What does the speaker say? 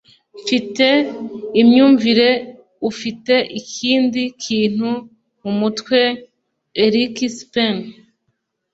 mfite imyumvire ufite ikindi kintu mumutwe erikspen